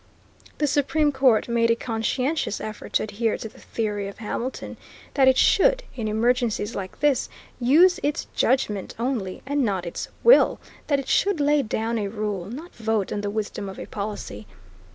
The Supreme Court made a conscientious effort to adhere to the theory of Hamilton, that it should, in emergencies like this, use its judgment only, and not its will; that it should lay down a rule, not vote on the wisdom of a policy.